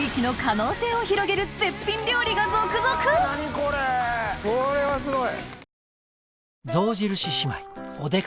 これはすごい！